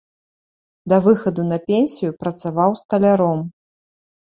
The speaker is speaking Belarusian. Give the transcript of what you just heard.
Да выхаду на пенсію працаваў сталяром.